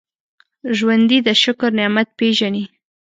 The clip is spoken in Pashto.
ژوندي د شکر نعمت پېژني